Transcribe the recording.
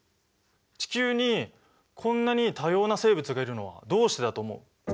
地球にこんなに多様な生物がいるのはどうしてだと思う？